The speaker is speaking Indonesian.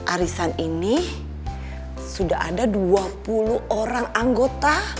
arisan ini sudah ada dua puluh orang anggota